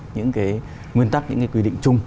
những cái nguyên tắc những cái quy định chung